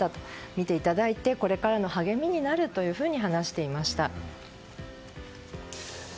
見ていただいてこれからの励みになると話していました。